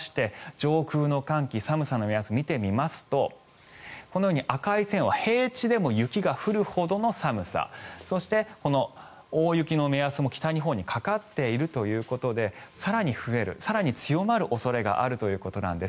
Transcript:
上空の寒気寒さの目安を見てみますとこのように赤い線は平地でも雪が降るほどの寒さそして、大雪の目安も北日本にかかっているということで更に増える更に強まる恐れがあるということなんです。